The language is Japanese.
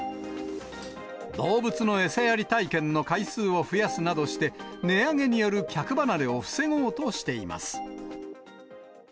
動物の餌やり体験の回数を増やすなどして、値上げによる客離れを防ごうとしています。